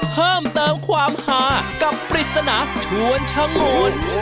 เพิ่มเติมความหากับปริศนาชวนชะงู